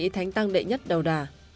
thánh tăng đệ nhất đầu đà